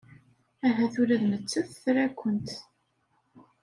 Ahat ula d nettat tra-kent.